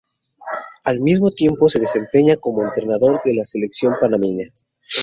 Al mismo tiempo se desempeña como entrenador de la selección panameña.